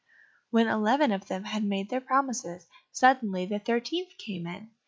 When eleven of them had made their promises, suddenly the thirteenth came in.